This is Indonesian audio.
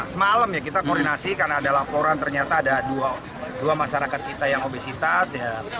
semalam ya kita koordinasi karena ada laporan ternyata ada dua masyarakat kita yang obesitas